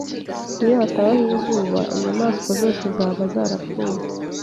Iyo hatabaho izuba, inyamaswa zose zaba zarapfuye.